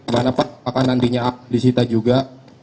mana pak akan nantinya disita juga